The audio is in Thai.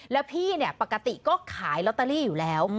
แล้วพี่เนี่ยปกติก็ขายลอตเตอรี่อยู่แล้ว